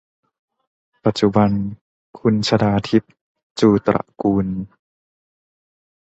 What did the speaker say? ปัจจุบัน คุณชฎาทิพ จูตระกูล